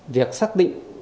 việc xác định